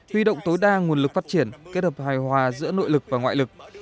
huy động tối đa nguồn lực phát triển kết hợp hài hòa giữa nội lực và ngoại lực